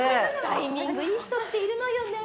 タイミングいい人っているのよね。